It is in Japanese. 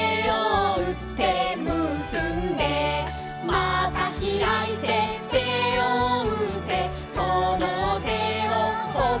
「またひらいて手をうってその手をほっぺに」